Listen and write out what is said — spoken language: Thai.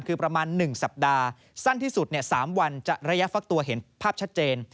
คือประมาณ๑สัปดาห์สั้นที่สุด๓วันจะระยะฟักตัวเห็นภาพชัดเจน